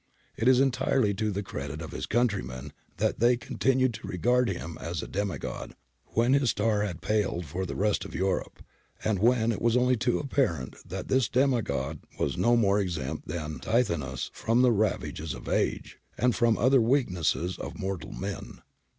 It is entirely to the credit of his countrymen that they continued to regard him as a demi god when his star had paled for the rest of Europe, and when it was only too apparent that this demi god was no more exempt than Tithonus from the ravages of age, and from other weaknesses of mortal men.